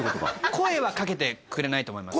声はかけてくれないと思います